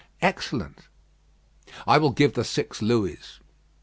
"Excellent." "I will give the six Louis."